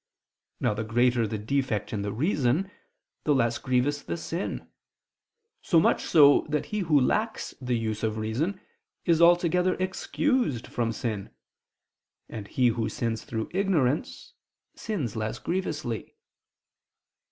Now the greater the defect in the reason, the less grievous the sin: so much so that he who lacks the use of reason, is altogether excused from sin, and he who sins through ignorance, sins less grievously.